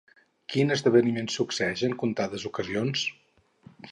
Quin esdeveniment succeeix en comptades ocasions?